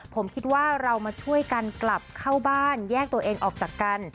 ผมคิดว่าเรามาช่วยกันกลับเข้าบ้านแยกตัวเองออกจากกัน